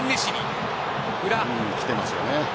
来てますよね。